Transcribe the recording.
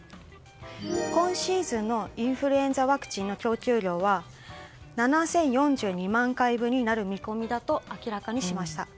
今シーズンのインフルエンザワクチンの供給量は７０４２万回分になる見込みだと明らかにしました。